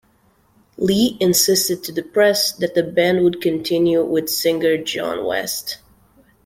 Lee insisted to the press that the band would continue with singer John West.